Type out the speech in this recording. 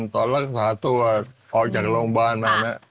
ตอนรักษาตัวออกจากโรงพยาบาลมาแล้ว